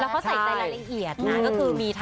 เพราะเขาใส่ใจรายละเอียดนะก็คือมีทั้งสีเหลืองแล้วก็สีเขียวซะ